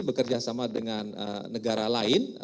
bekerja sama dengan negara lain